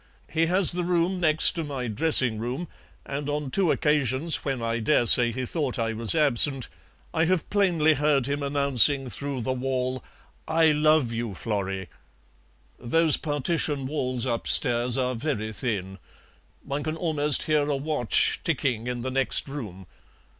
He has the room next to my dressing room, and on two occasions, when I dare say he thought I was absent, I have plainly heard him announcing through the wall, 'I love you, Florrie.' Those partition walls upstairs are very thin; one can almost hear a watch ticking in the next room."